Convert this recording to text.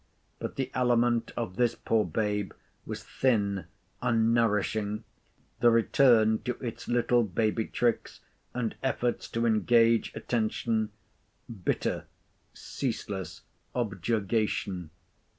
But the aliment of this poor babe was thin, unnourishing; the return to its little baby tricks, and efforts to engage attention, bitter ceaseless objurgation.